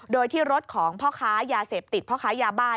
โดยที่รถของพ่อค้ายาเสพติดพ่อค้ายาบ้า